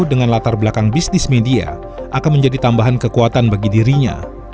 dengan latar belakang bisnis media akan menjadi tambahan kekuatan bagi dirinya